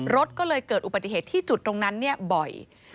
รถก็เลยเกิดอุบัติเหตุที่จุดตรงนั้นบ่อย